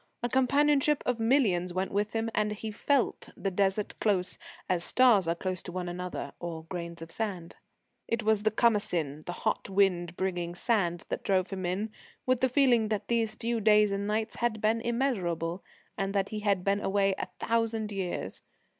A companionship of millions went with him, and he felt the Desert close, as stars are close to one another, or grains of sand. It was the Khamasin, the hot wind bringing sand, that drove him in with the feeling that these few days and nights had been immeasurable, and that he had been away a thousand years.